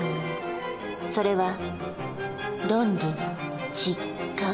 それは「ロンリのちから」。